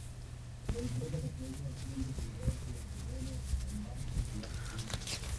La entrega de premios suele celebrarse en febrero o en marzo del año siguiente.